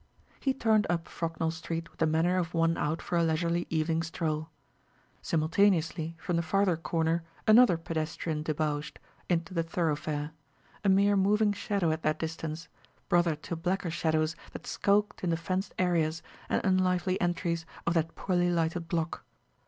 He turned up Frognall Street with the manner of one out for a leisurely evening stroll. Simultaneously, from the farther corner, another pedestrian debouched, into the thoroughfare a mere moving shadow at that distance, brother to blacker shadows that skulked in the fenced areas and unlively entries of that poorly lighted block.